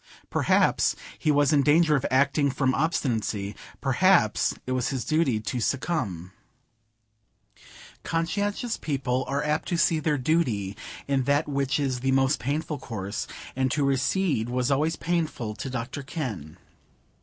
Perhaps he was in danger of acting from obstinacy; perhaps it was his duty to succumb. Conscientious people are apt to see their duty in that which is the most painful course; and to recede was always painful to Dr Kenn.